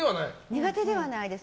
苦手ではないです。